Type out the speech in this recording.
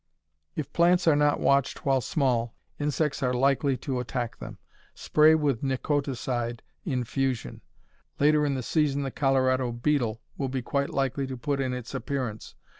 If plants are not watched while small, insects are likely to attack them. Spray with Nicoticide infusion. Later in the season the Colorado beetle will be quite likely to put in its appearance.